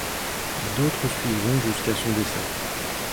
D'autres suivront jusqu'à son décès.